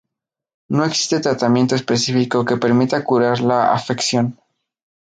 No existe tratamiento específico que permita curar la afección.